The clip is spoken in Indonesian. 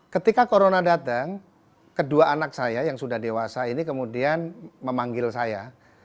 ketika corona datang kedua anak saya yang sudah dewasa ini kemudian memanggil saya